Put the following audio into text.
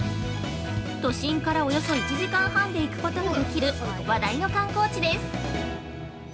都心からおよそ１時間半で行くことができる話題の観光地です。